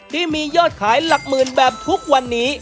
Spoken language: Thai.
ที่มียอดขายหลักหมื่นแบบทุกวันนี้